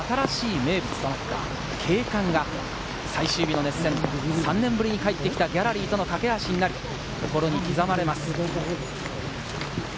その余白に加わった輪厚の新しい名物となる景観が、最終日の熱戦、３年ぶりに帰ってきたギャラリーとの懸け橋になり、心に刻まれます。